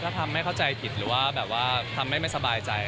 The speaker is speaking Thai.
ถ้าทำไม่เข้าใจผิดหรือว่าทำไม่สบายใจ